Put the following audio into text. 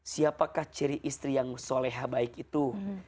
siapakah ciri istri yang soleha baik itu